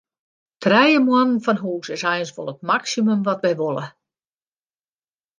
Trije moanne fan hús is eins wol it maksimum wat wy wolle.